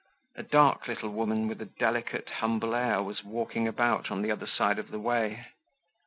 A dark little woman with a delicate humble air was walking about on the other side of the way.